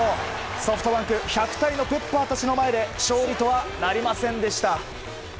ソフトバンク１００台のＰｅｐｐｅｒたちの前で勝利とはなりませんでした。